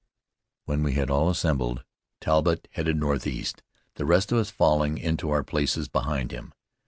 When we had all assembled, Talbott headed northeast, the rest of us falling into our places behind him.